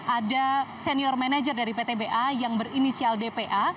ada senior manager dari ptba yang berinisial dpa